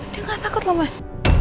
dia nggak takut loh mas